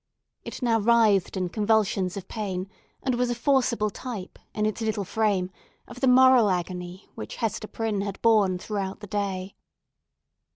It now writhed in convulsions of pain, and was a forcible type, in its little frame, of the moral agony which Hester Prynne had borne throughout the day.